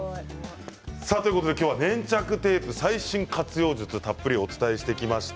今日は、粘着テープ最新活用術をたっぷりお伝えしてきました。